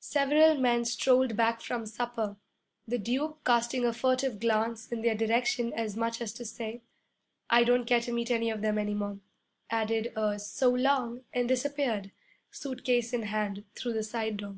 Several men strolled back from supper. The Duke casting a furtive glance in their direction as much as to say, 'I don't care to meet any of them any more,' added a 'So long,' and disappeared, suitcase in hand, through the side door.